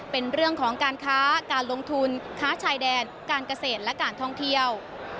เป็นเรื่องของการค้าการลงทุนค้าชายแดนการเกษตรและการท่องเที่ยว